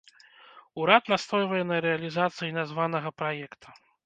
Урад настойвае на рэалізацыі названага праекта.